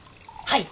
はい。